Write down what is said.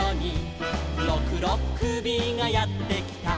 「ろくろっくびがやってきた」